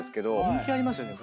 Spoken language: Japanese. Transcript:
人気ありますよね